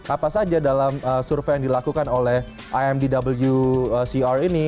apa saja dalam survei yang dilakukan oleh imdwcr ini